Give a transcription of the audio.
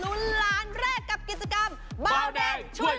ตื่นเต้นมากกับการลุ้นล้านแรกกับกิจกรรม